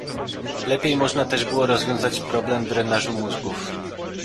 Lepiej można też było rozwiązać problem drenażu mózgów